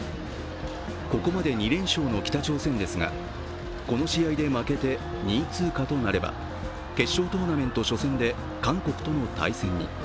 ここまで２連勝の北朝鮮ですがこの試合で負けて２位通過となれば決勝トーナメント初戦で韓国との対戦に。